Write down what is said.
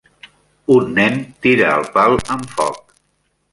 Un nen tira el pal amb foc.